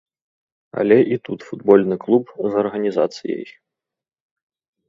Але і тут футбольны клуб з арганізацыяй.